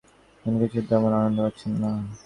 কোনো কিছুতেই তেমন আনন্দ পাচ্ছেন না।